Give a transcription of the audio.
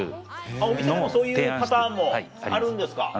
お店でもそういうパターンもあるんですか。